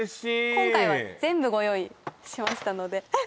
今回は全部ご用意しましたのでえっ